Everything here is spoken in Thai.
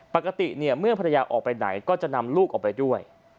ปกติมันพรรดาออกไปไหนก็จะนำลูกออกไปด้วย